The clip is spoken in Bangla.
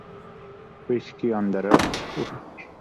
Whisky on the rocks, huh!